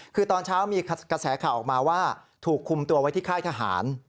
คือตอนเช้ามีกระแสข่าวออกมาว่าถูกคุมตัวไว้ที่ค่ายทหาร